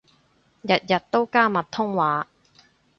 日日都加密通話